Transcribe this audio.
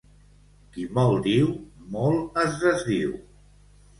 Qui molt diu, molt es desdiu.